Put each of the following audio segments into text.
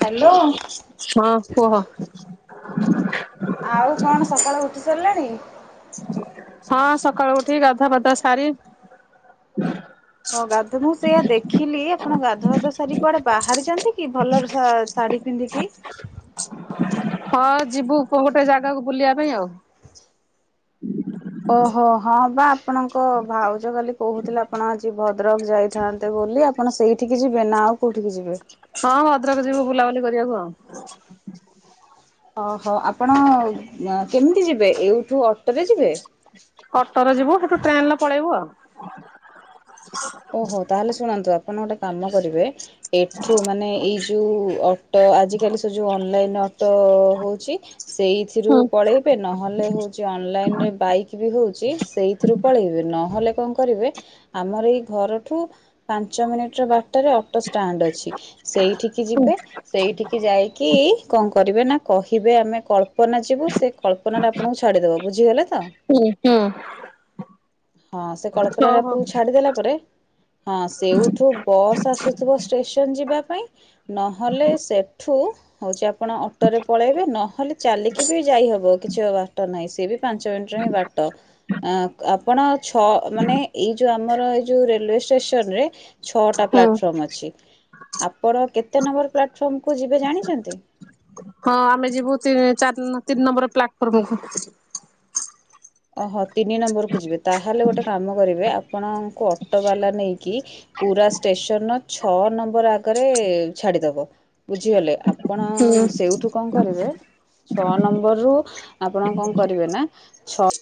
Hello ହଁ କୁହ। ଆଉ କଣ ସକାଳେ ଉଠି ସାରିଲାଣି? ହଁ ସକାଳୁ ଉଠିକି ଗଧା ବଧ ସାରି ହଁ ଗାଧ ମୁଁ ସେଇଆ ଦେଖିଲି ଆପଣ ଗାଧବାଧ ସାରି କୁଆଡେ ବାହାରିଛନ୍ତି କି ଭଲ? ଶାଢ଼ୀ ପିନ୍ଧିକି ହଁ ଯିବୁ ପୁ ଗୋଟେ ଜାଗାକୁ ବୁଲିବା ପାଇଁ ଆଉ ଓହୋ ହଁ ବା ଆପଣଙ୍କ ଭାଉଜ କାଲି କହୁଥିଲେ ଆପଣ ଆଜି ଭଦ୍ରକ ଯାଇଥାନ୍ତେ ବୋଲି ଆପଣ ସେଇ ଏଠିକି ଯିବେ ନା ଆଉ କେଉଁଠିକି ଯିବେ? ହଁଁ ଭଦ୍ରକ ଯିବୁ ବୁଲାବୁଲି କରିବାକୁ ଆଉ ଅହୋ ଆପଣ କେମିତି ଯିବେ ଏଉଠୁ ଅଟୋରେ ଯିବେ ଅଟୋରେ ଯିବୁ ସେଠୁ ଟ୍ରେନରେ ପଳେଇବୁ ଆଉ। ଓହୋ ତାହେଲେ ଶୁଣନ୍ତୁ ଆପଣ ଗୋଟେ କାମ କରିବେ ଏଠୁ ମାନେ ଏଇ ଯେଉଁ ଅଟୋ ଆଜିକାଲି ସେ ଯେଉଁ ଅନଲାଇନ୍ ଅଟୋ ହେଉଛି। ସେଇଥିରୁ ହୁଁ ପଳେଇବେ ନହେଲେ ହଉଛି ଅନଲାଇନରେ ବାଇକ୍ ବି ହଉଛି ସେଇଥିରୁ ପଳେଇବେ ନହେଲେ କଣ କରିବେ ଆମର ଏଇ ଘରଠୁ ପାଞ୍ଚ ମିନିଟ ର ବଟାରେ ଅଟୋ ଷ୍ଟାଣ୍ଡ ଅଛି ସେଇଠିକି ଯିବେ। ସେଇଠିକି ଯାଇକି କଣ କରିବେ ନା କହିବେ ଆମେ କଳ୍ପ କଳ୍ପନା ଯିବ ସେ କଳ୍ପନାାରେ ଆପଣଙ୍କୁ ଛାଡ଼ିଦେବ ବୁଝିଗଲେ ତ ହୁଁ ହୁଁ। ହଁ ସେ କଳ୍ପନା ଓହୋ ରାପଙ୍କୁ ଛାଡିଦେଲା ପରେ ହଁ ସେଉଠୁ ବସ୍ ଆସୁଥିବ ଷ୍ଟେସନ ଯିବା ପାଇଁ। ନହେଲେ ସେଠୁ ହଉଛି ଆ ଆପଣ ଅଟୋରେ ପଳେଇବେ ନହେଲେ ଚାଲିକି ବି ଯାଇହେବ କିଛି ବା-ବାଟ ନାହିଁ ସିଏ ବି ପାଞ୍ଚ ମିନିଟରେ ହିଁ ବା ଟି ଆଁ ଆପଣ ଛଅ ମାନେ ଏଇ ଯୋଉ ଆମର ଏ ଯଉ ରେଲୱେ ଷ୍ଟେସ ନ ରେ ଛ ଟା ହୁଁ ପ୍ଲାଟଫର୍ମ ଅଛି ଆପଣ କେତେ ନମ୍ବର ପା ଫର୍ମ କୁ ଯିବେ ଜାଣିଛନ୍ତି? ହଁ ଆମେ ଯିବୁ ତିନି ଚାରି ତିନି ନମ୍ବର ପ୍ଲାଟଫର୍ମ କୁ। ଓହୋ ତିନି ନମ୍ବରକୁ ଯିବେ ତାହେଲେ ଗୋଟେ କାମ କରିବେ ଆ ଆପଣଙ୍କୁ ଅଟୋବାଲା ନେଇକି ପୁରା ଷ୍ଟେସନ ର ଛଅ ନମ୍ବର ଆଗରେ ଛାଡିଦବ। ବୁଝିଗଲେ ଆପଣ ହୁଁ ସେଇଠୁ କଣ କରିବେ। ଛଅ ନମ୍ବର୍ ରୁ ଆପଣ କଣ କରିବେ ନା ଛ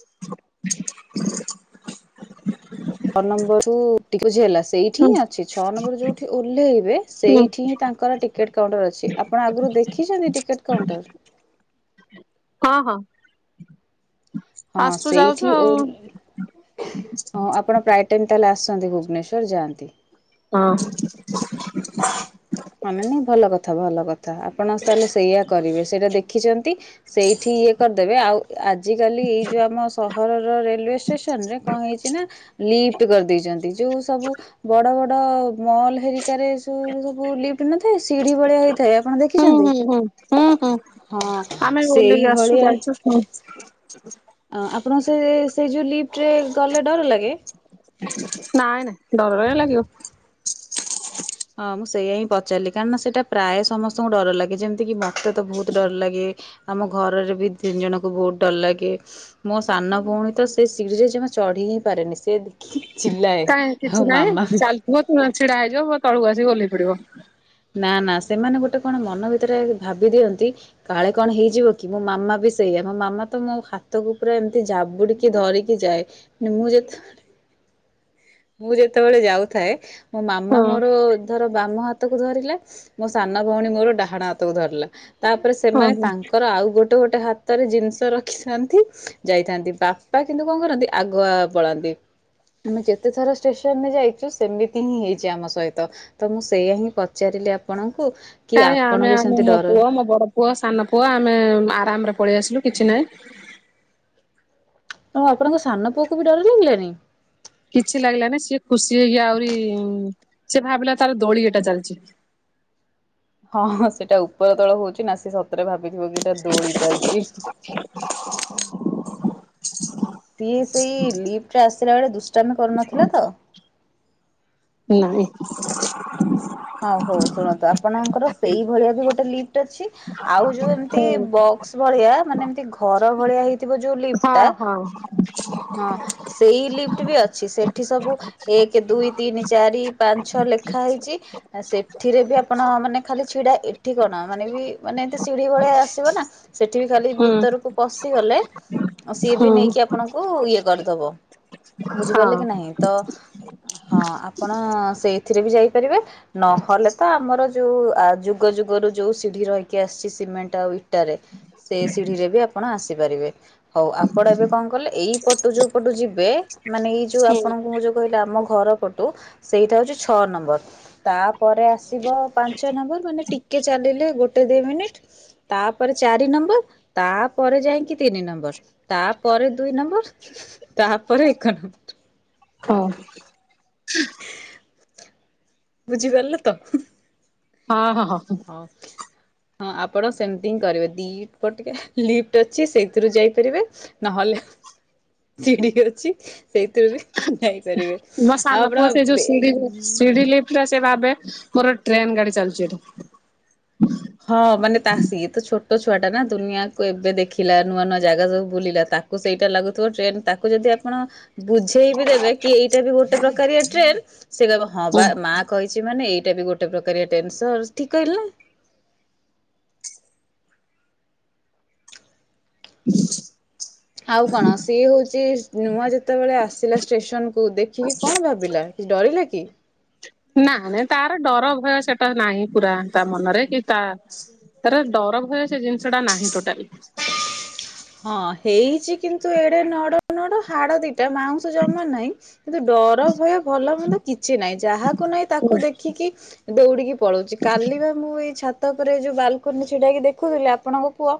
ଛଅ ନମ୍ବର [unintelligible] ହେଲା ସେଇଠି ହୁଁ ହିଁ ଅଛି, ଛଅ ନମ୍ବର ଯୋଉଠି ଓହ୍ଲେଇବେ ହୁଁ ସେଇଠି ହିଁ ତାଙ୍କର ଟିକେଟ କାଉଣ୍ଟର ଅଛି, ଆପଣ ଆଗରୁ ଦେଖିଛନ୍ତି ଟିକେଟ କାଉଣ୍ଟର୍? ହଁ-ହଁ। ହଁ ଯାଉଛୁ ସେଇଠି ଆଉ ଓଲ୍ ହଁ ଆପଣ ପ୍ରାୟ ଟାଇମ୍ ତାହେଲେ ଆସନ୍ତି ଭୁବନେଶ୍ଵର ଯାଆନ୍ତି। ହଁ। ମାନେ ନାଇଁ ଭଲ କଥା ଭଲ କଥା ଆପଣ ତାହେଲେ ସେଇଆ କରିବେ ସେଇଟା ଦେଖିଚନ୍ତି ସେଇଠି ଇଏ କରିଦେବେ ଆଉ ଆଜିକାଲି ଏଇ ଯୋଉ ଆମ ସହରର ରେଲୱେ ଷ୍ଟେସନ୍ ରେ କଣ ହେଇଛି ନା ଲିଫ୍ଟ କରିଦେଇଛନ୍ତି ଯୋଉ ସବୁ ବଡ-ବଡ ମଲ ହେରିକାରେ [unintelligible] କୁ ଲିଫ୍ଟ ନଥାଏ ସିଢି ଭଳିଆ ହେଇଥାଏ, ଆପଣ ଦେଖିଛନ୍ତି? ହଁ ହୁଁ-ହୁଁ ଆମେ ଓଲ୍ହେଇକି ଆସଛୁ ସେଇଭଳିଆ ଯାଇଛୁ [unintelligible] ଆଁ ଆପଣଙ୍କୁ ସେ ସେଇ ଯୋଉ ଲିଫ୍ଟରେ ଗଲେ ଡର ଲାଗେ? ନାଇ-ନାଇଁ ଡର କାଇଁ ଲାଗିବ। ହଁ ମୁଁ ସେଇୟା ହିଁ ପଚାରିଲି କାରଣ ନା ସେଟା ପ୍ରାୟ ସମସ୍ତଙ୍କୁ ଡର ଲାଗେ, ଯେମ୍ତି କିି ମତେ ତ ବହୁତ୍ ଡର ଲାଗେ। ଆମ ଘରରେ ବି ତିନି ଜଣଙ୍କୁ ବହୁତ୍ ଡର ଲାଗେ। ମୋ ସାନ ଭଉଣୀ ତ ସେ ଶିଡିି ରେ ଜମା ଚଢି ହିଁ ପାରେନି, ସେ ଚିଲାଏ ଆଉ ମାମା ବି ପୁଅ ଛିଡା ହେଇଯିବ, ପୁଅ ତଳକୁ ଆସିକି ଓଲ୍ହେଇ ପଡିବ। ନା-ନା ସେମାନେ ଗୋଟେ କଣ ମନ ଭିତରେ ଆଗେ ଭାବି ଦିଅନ୍ତି କାଳେ କଣ ହେଇଯିବ କି, ମୋ ମାମା ବି ସେଇଆ ମୋ ମାମା ତ ମୋ ହାତକୁ ପୁରା ଏମ୍ତି ଜାବୁଡିକି ଧରି କି ଯାଏ, ମାନେ ମୁଁ ଯେତ ମୁଁ ଯେତବଳେ ଯାଉଥାଏ ମୋ ହଁ ମାମା ମୋର ଧର ବାମ ହା ହାତକୁ ଧରିଲା ମୋ ସାନ ଭଉଣୀ ମୋର ଡାହାଣ ହାତକୁ ଧରିଲା, ତାପରେ ହଁ ସେମାନେ ହଁ ତାଙ୍କର ଆଉ ଗୋ ଗୋଟେ-ଗୋଟେ ହାତରେ ଜିନିଷ ରଖିଥାନ୍ତି ଯାଇଥାନ୍ତି, ବାପା କିନ୍ତୁ କଣ କରନ୍ତି ଆଗୁଆ ପଳାନ୍ତି। ଆମେ ଯେତେଥର ଷ୍ଟେସନରେ ଯାଇଛୁ ସେମିତି ହିଁ ହେଇଛି ଆମ ସହିତ, ତ ମୁଁ ସେଇଆ ହିଁ ପଚାରିଲି ଆପଣଙ୍କୁ। କି କାଇଁ ଆମେ ଆପଣଙ୍କୁ ଆମ ସେମିତି ମୋ ଡର ପୁଅ ମୋ ବଡ ପୁଅ ସାନ ପୁଅ ଆମେ ଆରାମ୍ ରେ ପଳେଇ ଆସିଲୁ କିଛି ନାହିଁ। ହଁ ଆପଣଙ୍କ ସାନ ପୁଅକୁ ବି ଡର ଲାଗିଲାନି? କିଛି ଲାଗିଲାନି ସିଏ ଖୁସି ହେଇକି ଆହୁରି ସେ ଭାବିଲା ତାର ଦୋଳି ଏଟା ଚାଲିଚି। ହଁ-ହଁ ସେଇଟା ଉପର ତଳ ହଉଚି ନା ସିଏ ସ ତରେ ଭାବିଥିବ କି ଏଇଟା ଦୋଳି ଚାଲ୍ଚି। ସିଏ ସେଇ ଲିଫ୍ଟରେ ଆସିଲା ବେଳେ ଦୁଷ୍ଟାମି କରୁନଥିଲା ତ? ନାଇଁ। ହଁ ହଉ ଶୁଣନ୍ତୁ ଆପଣଙ୍କର ସେଇ ଭଳିଆ ବି ଗୋଟେ ଲିଫ୍ଟ ଅଛି ଆଉ ଯୋଉ ଏମ୍ତି ହୁଁ ବ ବକ୍ସ ଭଳିଆ ମାନେ ଏମିତି ଘର ଭଳିଆ ହେଇଥିବ ଯୋଉ ଲିଫ୍ଟ ଟା [unintelligible] ହଁ ସେଇ ଲିଫ୍ଟ ବି ଅଛି, ସେଠି ସବୁ ଏକ, ଦୁଇ, ତିନି, ଚାରି, ପାଞ୍ଚ, ଛଅ ଲେଖା ହେଇଚି। ଆ ସେଠିରେ ବି ଆପଣ ମାନେ ଖାଲି ଛିଡା ଏଠି କଣ ମାନେ ବି ମାନେ ଏନ୍ତି ସିଢି ଭଳିଆ ଆସିବ ନା। ସେଠି ବି ଖାଲି ହୁଁ ଭିତରକୁ ପଶିଗଲେ ଆଉ ସିଏ ବି ହୁଁ ନେଇକି ଆପଣଙ୍କୁ ଇଏ କରିଦବ, ହଁ ବୁଝିପାରିଲେ କି ନାହିଁ ତ ହଁ ଆପଣ ସେଇଥିରେ ବି ଯାଇପାରିବେ, ନହେଲେ ତ ଆମର ଯୋଉ ଯୁଗ ଯୁଗରୁ ଯୋଉ ସିଢି ରହିକି ଆସିଛି ସିମେଣ୍ଟ ଆଉ ଇ ଟାରେ ସେ ସିଢି ରେ ବି ଆପଣ ଆସିପାରିବେ, ହଉ ଆପଣ ଏବେ କଣ କଲେ ଏଇ ପଟୁ ଯୋଉ ପଟୁ ଯିବେ ମାନେ ଏଇ ଯୋଉ ହୁଁ ଆପଣଙ୍କ ମୁଁ ଯୋଉ କହିଲି ଆମ ଘର ପଟୁ ସେଇଟା ହଉଚି ଛଅ ନମ୍ୱର୍। ତାପରେ ଆସିବ ପାଞ୍ଚ ନମ୍ବର ମାନେ ଟିକେ ଚାଲିଲେ ଗୋଟେ ଦି ମିନିଟ୍ ତାପରେ ଚାରି ନମ୍ବର, ତାପରେ ଯାଇକି ତିନି ନମ୍ବର ତାପରେ ଦୁଇ ତାପରେ ଏକ ନମ୍ବର। ହଁ। ବୁଝିପାରିଲ ତ? ହଁ ହଁ ହ। ଅଫ୍ ହଁ ଆପଣ ସେମିତି ହିଁ କରିବେ ଦି ଟିକେ ଲିଫ୍ଟ ଅଛି ସେଇଥିରୁ ଯାଇପାରିବେ। ନହେଲେ ସିଡି ଅଛି। ସେଇଥିରେ ବି ଯାଇପାରିବେ ଆଉ ଆପଣ ସିଡି ଲିପ୍ଟିରେ ସେ ଭାବେ ମୋର ଟ୍ରେନ୍ ଗାଡି ଚାଲିୁଛି ଏଠି। ହଁ ମାନେ ତା ସିଏ ତ ଛୋଟ ଛୁଆ ଟା ନା ଦୁନିଆକୁ ଏବେ ଦେଖିଲା, ନୂଆ ନୂଆ ଜାଗା ସବୁ ବୁଲିଲା ତା ତାକୁ ସେଇଟା ଲାଗୁଥିବ ଟ୍ରେନ ତାକୁ ଯଦି ଆପଣ ବୁଝେଇ ବିି ଦେବେ କି ଏଇଟା ବି ଗୋଟେ ପ୍ରକାରିଆ ଟ୍ରେନ ସେ ହଁ ବା ମା କହିଛି ମାନେ ଏଇଟା ବି ଗୋଟେ ପ୍ରକାରିଆ ଟେନ୍‌ ସର୍ ଠିକ୍ କହିଲି ନା। ହୁଁ ଆଉ କଣ ସିଏ ହେଉଛି ନୂଆ ଯେତେବେଳେ ଆସିଲା ଷ୍ଟେସନକୁ ଦେଖିକି କଣ ଭାବିଲା ଡରିଲା କି? ନା ନାଇଁ ତାର ଡର ଭୟ ସେଟା ନାହିଁ ପୁରା ତା ମନରେ କି ତା ତାର ଡର ଭୟ ସେ ଜିନିଷ ଟା ନାହିଁ ଟୋଟାଲି। ହଁ ହେଇଛି କିନ୍ତୁ ଏଡେ ନଡ ନଡ ହାଡ ଦିଟା ମାଉଁସ ଜମା ନାଇଁ। କିନ୍ତୁ ଡର ଭୟ ଭଲ ମନ୍ଦ କିଛି ନାହିଁ ଯାହାକୁ ନାଇଁ ତାକୁ ଦେଖିକି ଦୌଡିକି ପଳଉଛି, କାଲି ବା ମୁଁ ଏଇ ଛ ଛାତ ଉପରେ ଯଉ ବାଲକୁନି କି ଛିଡ଼ାହେଇ ଦେଖୁଥିଲି ଆପଣଙ୍କ ପୁଅ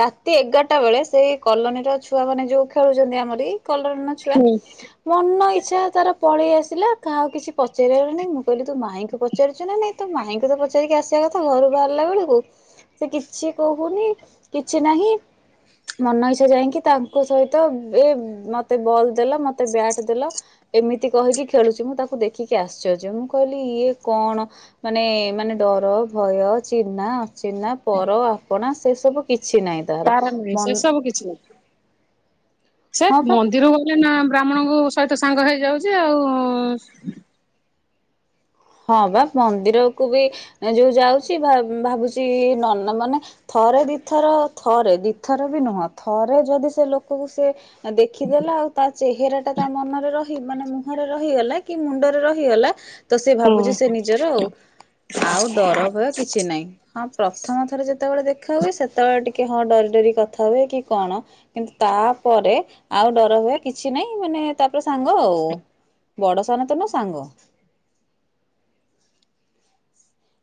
ରାତି ଏଗାର ଟା ବେଳେ ସେଇ କଲୋନୀର ଛୁଆ ମାନେ ଯୋଉ ଖେଳୁଛନ୍ତି ଆମରି ଏଇ କଲୋନୀର ଛୁଆ ହୁଁ ମନ ଇଚ୍ଛା ତାର ପଳେଇ ଆସିଲା, କାହା କୁ କିଛି ପଚାରିବାର ନାହିଁ, ମୁଁ କହିଲି ତୁ ମାଇଁଙ୍କୁ ପଚାରୁିଛୁ ନା ନାଇଁ ତୁ ମାଇଁଙ୍କୁ ତ ପଚାରିକି ଆସିବା କଥା ଘରୁ ବାହାରିଲା ବେଳକୁ। ସେ କିଛି କହୁନି, କିଛି ନାହିଁ। ମନଇଛା ଯାଇକି ତାଙ୍କ ସହିତ ଏ ମତେ ବଲ୍ ଦେଲ ମତେ ବ୍ୟାଟ୍ ଦେଲ। ଏମିତି କହିକି ଖେଳୁଛି, ମୁଁ ତାକୁ ଦେଖିକି ଆସର୍ଯ୍ୟ, ମୁଁ କହିଲି ଇଏ କଣ ମାନେ ମାନେ ଡର, ଭୟ, ଚିହ୍ନା, ଅଚିହ୍ନା, ପର, ଆପଣା ସେ ସବୁ କିଛି ନାହିଁ। ତାର। ମନ ସେ ସବୁ କିଛି ନାହିଁ। ସେ ହଁ ପା ମନ୍ଦିର ଗୋଲେ ନା ବ୍ରାହ୍ମଣଙ୍କ ସହିତ ସାଙ୍ଗ ହେଇଯାଉଛି ଆଉ। ହଁ ବା ମନ୍ଦିର କୁ ବି ଯୋଉ ଯାଉଛି ଭାବୁଛି ଏ ନନା ମାନେ ଥରେ ଦିଥର ଥରେ ଦିଥର ବି ନୁହଁ ଥରେ ଯଦି ସେ ଲୋକକୁ ସେ ଦେଖିଦେଲା, ଆଉ ତା ଚେହେରା ଟା ତା ମନରେ ରହି ମାନେ ମୁହଁରେ ରହିଗଲା କି ମୁଣ୍ଡରେ ରହି ହେଇଗଲା, ତ ସେ ହୁଁ ଭାବୁଛି ସେ ନିଜର ଆଉ ଆଉ ଡର ଭୟ କିଛି ନାହିଁ। ହଁ ପ୍ରଥମ ଥର ଯେତେବେଳେ ଦେଖା ହୁଏ, ସେତେବେଳେ ଟିକେ ହଁ ଡରି ଡରି କଥା ହୁଏ କି କଣ। କିନ୍ତୁ ତାପରେ ଆଉ ଡର ଭୟ କିଛି ନାଇଁ ମାନେ ତାପରେ ସାଙ୍ଗ ଆଉ। ବଡ ସାନ ତ ନୁହଁ ସାଙ୍ଗ।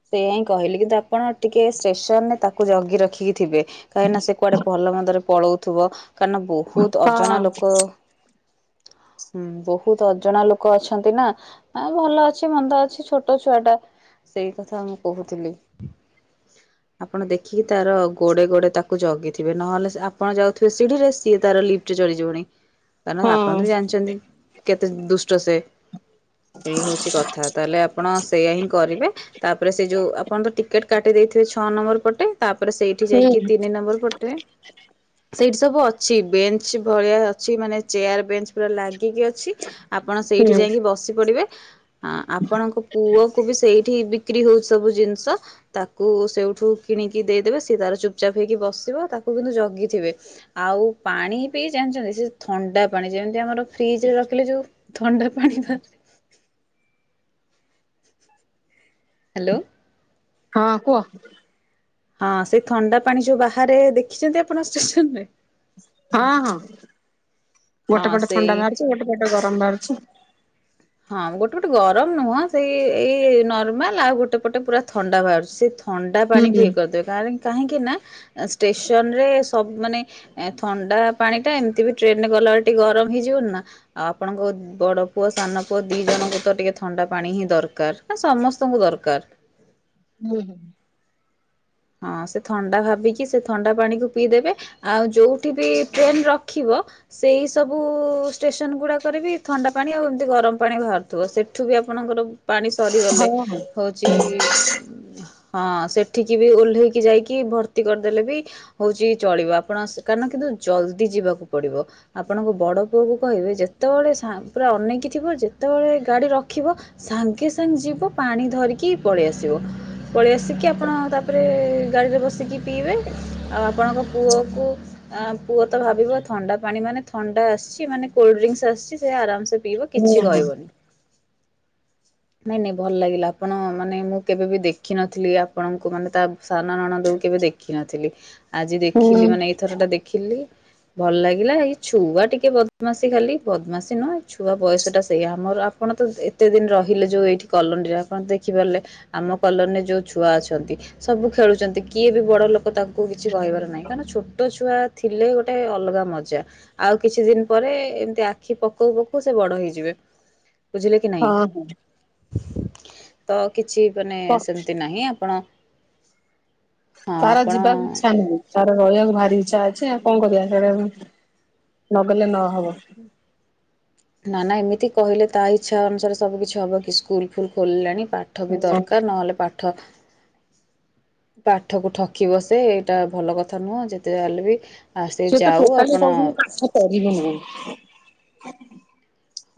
ସେୟା ହିଁ କହିଲି କିନ୍ତୁ ଆପଣ ଟିକେ ଷ୍ଟେସନରେ ତାକୁ ଜଗି ରଖିକି ଥିବେ। କାହିଁକିନା ସେ କୁଆଡେ ଭଲ ମନ୍ଦରେ ପଳଉଥିବ କାହିଁ ନା ବହୁତ ହଁ ଅଜଣା ଲୋକ ହୁଁ ବହୁତ ଅଜଣା ଲୋକ ଅଛନ୍ତି ନା। ଆ ଭଲ ଅଛି ମନ୍ଦ ଅଛି ଛୋଟ ଛୁଆ ଟା ସେଇ କଥା ମୁଁ କହୁଥିଲି। [unintelligible] ଆପଣ ଦେଖିକି ତାର ଗୋଡେ ଗୋଡେ ତାକୁ ଜଗିଥିବେ, ନହେଲେ ଆପଣ ଯାଉଥିବେ ସିଢି ରେ ସିଏ ତାର ଲିପ ଚଢି ଯିବଣି। ହ କାରଣ ଆପଣ ତ ବି ଜାଣିଛନ୍ତି କେତେ ଦୁଷ୍ଟ ସେ ଏଇ ହଉଛି କଥା। ତାହେଲେ ଆପଣ ସେଇଆ ହିଁ କରିବେ, ତାପରେ ସେ ଯୋଉ ଆପଣ ତ ଟିକେଟ୍ କାଟି ଦେଇଥିବେ ଛଅ ନମ୍ବର ପଟେ। ତାପରେ ସେଇଠି ଯାଇକି ହୁଁ ତିନି ନମ୍ବର ପଟେ ସେଇଠି ସବୁ ଅଛି ବେଞ୍ଚ ଭଳିଆ ଅଛି ମାନେ ଚେୟାର ବେଞ୍ଚ ପୁରା ଲାଗିକି ଅଛି। ଆପଣ ହୁଁ ସେଇଠି ଯାଇକି ବସି ପଡିବେ। ହଁ ଆପଣଙ୍କ ପୁଅ କ ବି ସେଇଠି ବିକ୍ରି ହଉଛି ସବୁ ଜିନିଷ। ତାକୁ ସେଉଠୁ କିଣିକି ଦେଇଦେବେ ସିଏ ତାର ଚୁପଚାପ ହେଇକି ବସିବ ତାକୁ କିନ୍ତୁ ଜଗିଥିବେ। ଆଉ ପାଣି ବିି ଜାଣିଛନ୍ତି ସେ ଥଣ୍ଡା ପାଣି ଯେମିତି ଆମର ଫ୍ରିଜ ରେ ରଖିଲେ ଯୋଉ ଥଣ୍ଡା ପାଣି ଥାଏ ହ୍ୟାଲୋ। ହଁ କୁହ। ହଁ ସେଇ ଥଣ୍ଡା ପାଣି ଯୋଉ ବାହାରେ ଦେଖିଛନ୍ତି ଆପଣ ଷ୍ଟେସନରେ। ହଁ ହଁ ହଁ ଗୋଟେ ପଟେ ସେଇ ଥଣ୍ଡା ବାହାରୁଛି ଗୋଟେ ପଟେ ଗରମ ବାହାରୁଛି। ହଁ ଗୋଟେ ପଟେ ଗରମ ନୁହଁ ସେଇ ଏଇ ନର୍ମାଲ ଆଉ ଗୋଟେ ପଟେ ପୁରା ଥଣ୍ଡା ବାହାରୁଛି ସେ ଥଣ୍ଡା ହୁଁ ପାଣିକୁ ହୁଁ ଇଏ କରିଦେବେ କାହିଁକି ନା ଷ୍ଟେସନ ରେ ସବୁ ମାନେ ଥଣ୍ଡା ପାଣି ଟା ଏମିତି ବି ଟ୍ରେନରେ ଗଲାବେଳେ ଟିକେ ଗରମ ହେଇଯିବନି ନା। ଆଉ ଆପଣଙ୍କ ବଡ ପୁଅ ସାନ ପୁଅ ଦୁଇ ଜଣଙ୍କୁ ତ ଟିକେ ଥଣ୍ଡା ପାଣି ହିଁ ଦରକାର ହଁ ସମସ୍ତଙ୍କୁ ଦରକାର। ହୁଁ ହୁଁ। ହଁ ସେ ଥଣ୍ଡା ଭାବିକି ସେ ଥଣ୍ଡା ପାଣିକୁ ପିଇଦେବେ। ଆଉ ଯୋଉଠି ବି ଟ୍ରେନ ରଖିବ ସେଇ ସବୁ ଷ୍ଟେସନ ଗୁଡାକରେ ବି ଥଣ୍ଡା ପାଣି ଆଉ ଏମତି ଗରମ ପାଣି ବାହାରୁ ତ ସେଠୁ ବି ଆପଣଙ୍କର ପାଣି ଶ୍ ସରିଗଲେ ହଁ ହଁ। ହଉଛି ହଁ ସେଠିକ କି ବି ଓହ୍ଲେଇକି ଯାଇକି ଭର୍ତ୍ତି କରିଦେଲେ ବି ହଉଛି ଚଳିବ ଆପଣ କାରଣ କିନ୍ତୁ ଜଲଦି ଯିବାକୁ ପଡିବ। ଆପଣଙ୍କ ବଡ ପୁଅ କୁ କହିବେ ଯେତେବେଳେ ପୁରା ଅନେଇକି ଥିବ ଯେତେବେଳେ ଗାଡି ରଖିବ ସାଙ୍ଗେ ସାଙ୍ଗେ ଯିବ ପାଣି ଧରିକି ପଳେଇ ଆସିବ ପଳେଇ ଆସିକି ଆପଣ ତାକ୍ ତାପରେ ଗାଡ଼ିରେ ବସିକି ପିଇବେ ଆଉ ଆପଣଙ୍କ ପୁଅକୁ ଆ ପୁଅ ତ ଭାବିବ ଥଣ୍ଡା ପାଣି ମାନେ ଥଣ୍ଡା ଆସିଛି ମାନେ କୋଲଡ୍ରିଙ୍କସ ଆସିଛି ସେ ଆରାମସେ ପିଇବ ହୁଁ କିଛି ହଁ କହିବନି। ନାଇଁ ନାଇଁ ଭଲ ଲାଗିଲା ଆପଣ ମାନେ ମୁଁ କେବେ ବି ଦେଖିନଥିଲି ଆପଣଙ୍କୁ ମାନେ ତା ସାନ ନଣଡ କୁ କେବେ ଦେଖିନଥିଲି ଆଜି ହୁଁ ଦେଖିଲି ମାନେ ଏଇଥର ଟା ଦେଖିଲି। ଭଲ ଲାଗିଲା ଏଇ ଛୁଆ ଟିକେ ବଦମାସୀ ଖାଲି ବଦମାସୀ ନୁହ ଏ ଛୁଆ ବୟସ ଟା ସେଇ ଆମର ଆପଣ ତ ଏତେ ଦିନ ରହିଲେ ଯୋଉ ଏଇଠି କଲୋନୀରେ ଆପଣ ଦେଖିପାରିଲେ ଆମ କଲୋନିରେ ଯୋଉ ଛୁଆ ଅଛନ୍ତି ସବୁ ଖେଳୁଛନ୍ତି କିଏ ବି ବଡ ଲୋକ ତାଙ୍କୁ କିଛି କହିବାର ନାହିଁ କାରଣ ଛୋଟ ଛୁଆ ଥିଲେ ଗୋଟେ ଅଲଗା ମଜା ଆଉ କିଛି ଦିନ ପରେ ଏମିତି ଆଖି ପକଉ ପକଉ ସେ ବଡ ହେଇଯିବେ। ବୁଝିଲେ କି ନାହିଁ। ହଁ ହଁ ତ କିଛି ମାନେ କ ସେମିତି ନାହିଁ ଆପଣ ହଁ ତାର ଆପଣ ଯିବାକୁ ଇଚ୍ଛା ନୁହଁ। ତାର ରହିବାକୁ ଭାରି ଇଛା ଅଛି ଆଉ କଣ କରିବା ସେଆଡ ନଗଲେ ନହବ। ନା ନା ଏମିତି କହିଲେ ତା ଇଚ୍ଛା ଅନୁସାରେ ସବୁ କିଛି ହବକି ସ୍କୁଲ ଫୁଲ ଖୋଲିଲାଣି ପା ହୁଁ ଦରକାର ନହେଲେ ପାଠ ପାଠ କୁ ଠକିବ ସେ ଏଇଟା ଭଲ କଥା ନୁହଁ ଯେତେ ଯାହା ହେଲେ ବି ସେ ତ ଯାଉ ଟୋଟାଲି ଆପଣ ପଢ଼ୁନି ପାଠ ପଢ଼ିବି ନାହିଁ।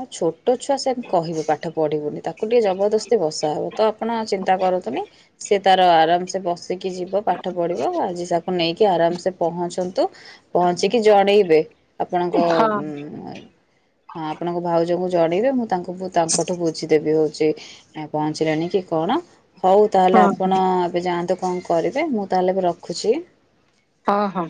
ହଁ ଛୋଟ ଛୁଆ ସେ କହିବ ପାଠ ପଢ଼ିବୁନି ତାକୁ ଟିକିେ ଜବରଦସ୍ତି ବସା ହବ। ତ ଆପଣ ଚିନ୍ତା କରନ୍ତୁନି ସେ ତାର ଆରାମ ସେ ବଶ୍ ବସିକି ଯିବ ପାଠ ପଢ଼ିବ ଆଜି ତାକୁ ନେଇକି ଆରାମସେ ପହଞ୍ଚନ୍ତୁ। ପହଞ୍ଚିକି ଜଣେଇବେ ଆପଣଙ୍କ ହଁ। ଉ ଆଁ ଆପଣଙ୍କ ଭାଉଜକୁ ଜଣେଇବେ ମୁଁ ତାଙ୍କୁ ତାଙ୍କଠୁ ବୁଝିଦେବି ହୋଉ ପହଞ୍ଚିଲାଣି କି କଣ, ହଉ ତାହେଲେ ହଁ ଆପଣ ଏବେ ଯାଆନ୍ତୁ କଣ କରିବେ ମୁଁ ତାହେଲେ ଏବେ ରଖୁଛି। ହଁ ହଁ